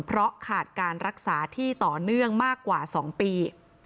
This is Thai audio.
เพราะขาดการรักษาที่ต่อเนื่องมากกว่า๒ปี